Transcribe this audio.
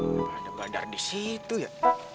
nggak ada bandar di situ ya